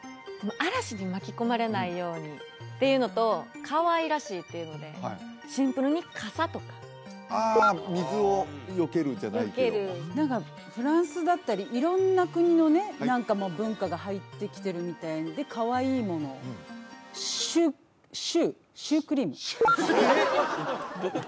嵐に巻き込まれないようにっていうのとかわいらしいっていうのでシンプルに傘とかああ水をよけるじゃないけどもよける何かフランスだったり色んな国のね何か文化が入ってきてるみたいでかわいいものシュシューシュークリームシュークリーム？